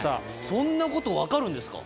そんなこと分かるんですか。